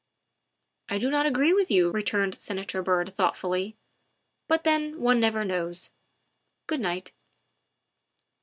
" I do not agree with you," returned Senator Byrd thoughtfully, " but, then, one never knows. Good night."